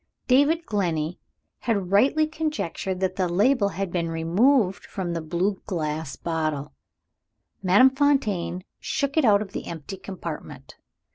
David Glenney had rightly conjectured that the label had been removed from the blue glass bottle. Madame Fontaine shook it out of the empty compartment.